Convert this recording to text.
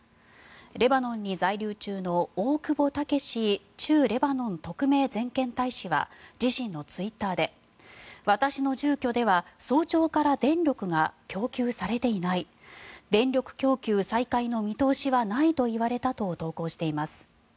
レバノンの在留中の大久保武駐レバノン特命全権大使は自身のツイッターで私の住居では早朝から電力が供給されていない電力供給再開の見通しはないといわれたと投稿しています。